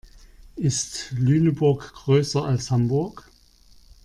Ist Lüneburg größer als Hamburg?